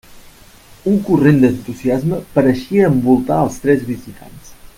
Un corrent d'entusiasme pareixia envoltar els tres visitants.